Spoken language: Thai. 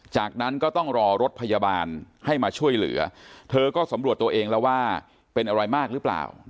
จากนั้นก็ต้องรอรถพยาบาลให้มาช่วยเหลือเธอก็สำรวจตัวเองแล้วว่าเป็นอะไรมากหรือเปล่า